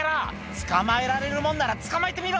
「捕まえられるもんなら捕まえてみろ！」